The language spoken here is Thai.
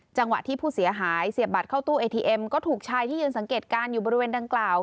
จังหวะที่ผู้เสียหายเสียบบัตรเข้าตู้เอทีเอ็มก็ถูกชายที่ยืนสังเกตการณ์อยู่บริเวณดังกล่าว